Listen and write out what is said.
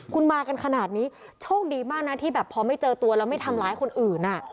คุณมากันขนาดนี้โชคดีมากนะที่แบบพอไม่เจอตัวแล้วไม่ทำร้ายคนอื่น